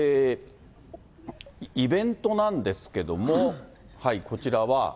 イベントなんですけども、こちらは。